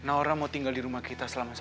naura mau tinggal di rumah ini untuk selamanya